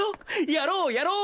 やろうやろう！